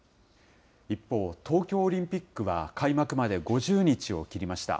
一方、東京オリンピックは開幕まで５０日を切りました。